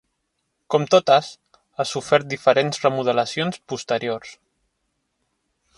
Com totes, ha sofert diferents remodelacions posteriors.